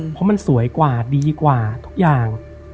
เพราะมันสวยกว่าดีกว่าทุกอย่าง